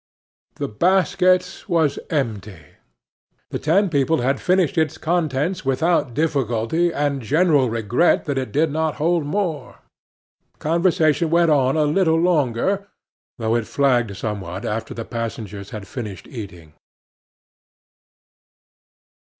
The basket was empty. The ten people had finished its contents without difficulty amid general regret that it did not hold more. Conversation went on a little longer, though it flagged somewhat after the passengers had finished eating.